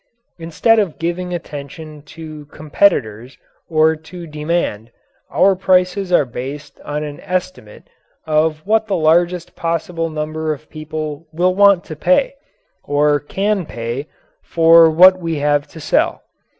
Instead of giving attention to competitors or to demand, our prices are based on an estimate of what the largest possible number of people will want to pay, or can pay, for what we have to sell.